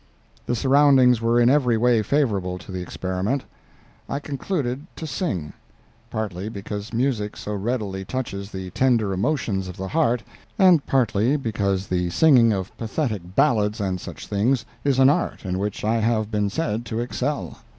The surroundings were in every way favorable to the experiment. I concluded to sing—partly because music so readily touches the tender emotions of the heart, and partly because the singing of pathetic ballads and such things is an art in which I have been said to excel.